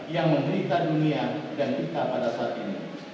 yang menderita dunia dan kita pada saat ini